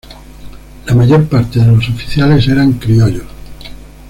La mayor parte de los oficiales eran criollos.